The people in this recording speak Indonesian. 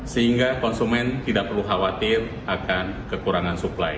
sehingga konsumen tidak perlu khawatir akan kekurangan suplai